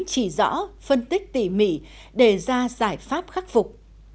chỉ rõ phân tích tỉ mỉ để ra giải pháp khắc phục